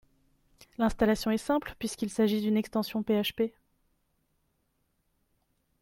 L'installation est simple puisqu'il s'agisse d'une extension PHP